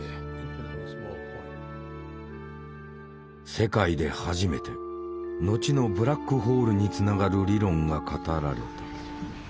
世界で初めて後のブラックホールにつながる理論が語られた。